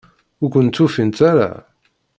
Ur kent-ufint ara?